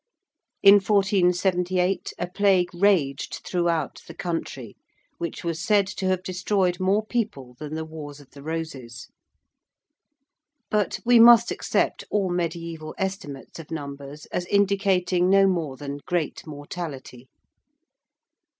In 1478 a plague raged throughout the country, which was said to have destroyed more people than the Wars of the Roses. But we must accept all mediæval estimates of numbers as indicating no more than great mortality.